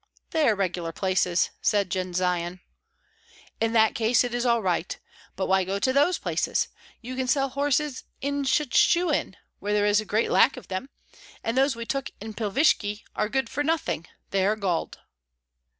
"They are regular places," said Jendzian. "In that case it is all right. But why go to those places? You can sell horses in Shchuchyn, where there is a great lack of them, and those which we took in Pilvishki are good for nothing; they are galled."